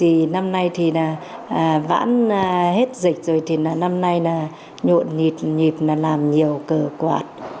thì năm nay thì là vãn hết dịch rồi thì là năm nay là nhộn nhịp là làm nhiều cờ quạt